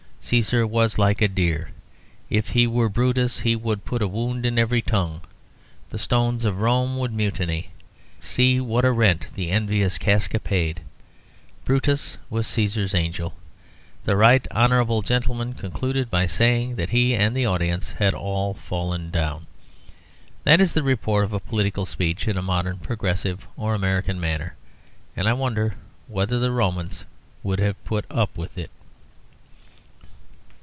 Cæsar was like a deer. If he were Brutus he would put a wound in every tongue. The stones of Rome would mutiny. See what a rent the envious Casca paid. Brutus was Cæsar's angel. The right honourable gentleman concluded by saying that he and the audience had all fallen down." That is the report of a political speech in a modern, progressive, or American manner, and I wonder whether the Romans would have put up with it.